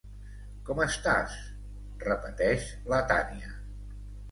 Com estàs? —repeteix la Tània.